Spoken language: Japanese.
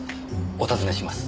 お尋ねします。